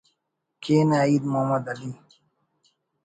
کینہ عئید محمد علی